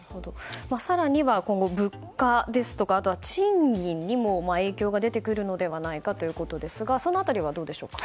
更には今後、物価ですとかあとは賃金にも影響が出てくるのではないかということですがその辺りはどうでしょうか。